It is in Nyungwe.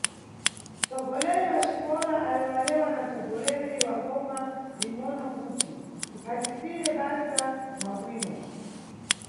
Nʼtsogoleri wa xikola alewalewa na nʼtsogoleri wa boma lingʼono kuti tiphatisire basa mwa bwino.